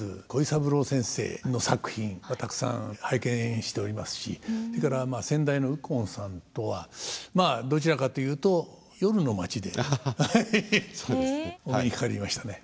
鯉三郎先生の作品はたくさん拝見しておりますしそれから先代の右近さんとはまあどちらかというと夜の街でね。